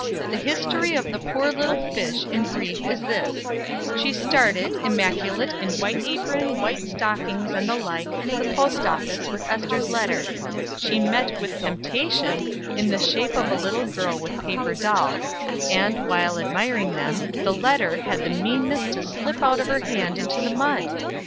"The history of the poor little fish, in brief, is this: She started, immaculate in white apron, white stockings, and the like, for the post office, with Ester's letter. She met with temptation in the shape of a little girl with paper dolls; and, while admiring them, the letter had the meanness to slip out of her hand into the mud!